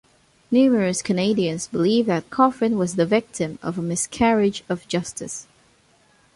Numerous Canadians believe that Coffin was the victim of a miscarriage of justice.